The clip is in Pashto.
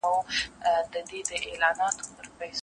ایا استاد د مسودي وروستۍ بڼه هم ګوري؟